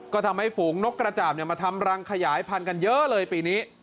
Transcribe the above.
ก็ทำให้ฝูงนกกระจ่าบมาทำรังขยายพันธุ์กันเยอะเลยปีนี้